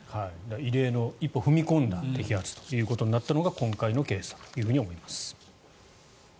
異例の一歩踏み込んだ摘発となったのが今回のケースだと思います。